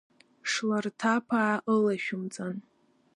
Шларҭаԥаа ылашәымҵан.